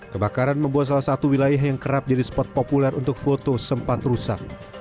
kebakaran membuat salah satu wilayah yang kerap jadi spot populer untuk foto sempat rusak